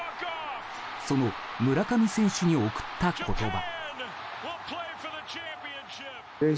その村上選手に贈った言葉。